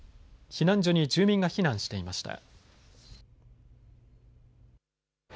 避難所に住民が避難していました。